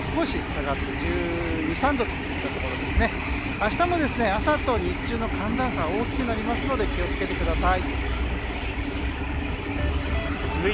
明日も朝と日中の寒暖差が大きくなりますので気を付けてください。